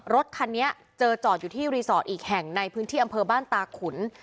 รถคันนี้เจอจอดอยู่ที่รีสอร์ทอีกแห่งในพื้นที่อำเภอบ้านตาขุน